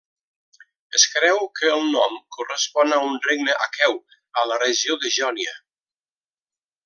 Es creu que el nom correspon a un regne aqueu a la regió de Jònia.